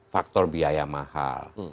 faktor biaya mahal